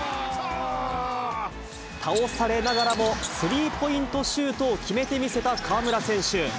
倒されながらもスリーポイントシュートを決めて見せた河村選手。